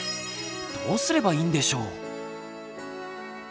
どうすればいいんでしょう？